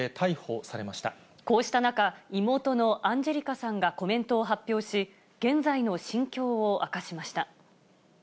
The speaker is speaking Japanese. こうした中、妹のアンジェリカさんがコメントを発表し、現在の心境を明かしました。